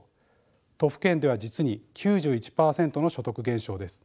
都府県では実に９１％の所得減少です。